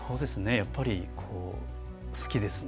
やっぱり好きですね。